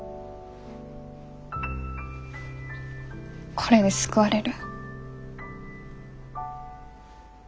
これで救われる？